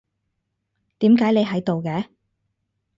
點解你喺度嘅？